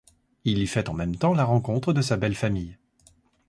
Il y fait en même temps la rencontre de sa belle famille.